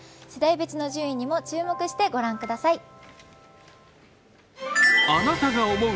世代別の順位にも注目して御覧ください。